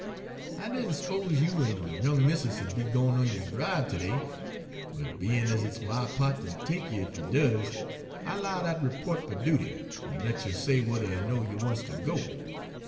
I didn' s'pose you en young missis 'u'd be gwine on yo' dribe ter day, but bein' ez it's my pa't ter take you ef you does, I 'lowed I'd repo't fer dooty, en let you say whuther er no you wants ter go."